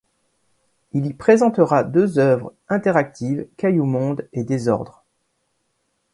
Il y présentera deux œuvres interactives, caillouxmonde, et désordre.